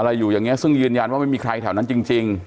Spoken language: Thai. อยู่อย่างนี้ซึ่งยืนยันว่าไม่มีใครแถวนั้นจริง